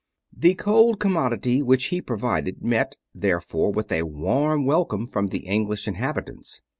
The cold commodity which he provided met, therefore, with a warm welcome from the English inhabitants.